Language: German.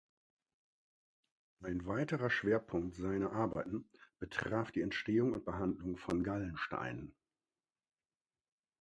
Ein weiterer Schwerpunkt seiner Arbeiten betraf die Entstehung und Behandlung von Gallensteinen.